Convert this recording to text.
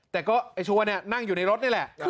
แต่ก็ไอ้ชัวร์เนี่ยนั่งอยู่ในรถนี่แหละ